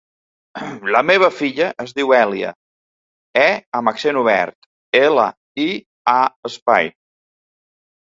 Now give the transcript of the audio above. La meva filla es diu Èlia : e amb accent obert, ela, i, a, espai.